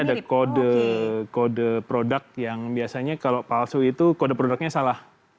ada kode produk yang biasanya kalau palsu itu kode produknya salah